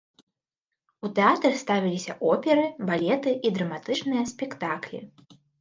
У тэатры ставіліся оперы, балеты і драматычныя спектаклі.